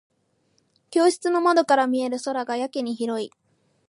教室の窓から見える空がやけに広い。